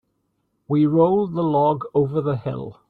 We rolled the log over the hill.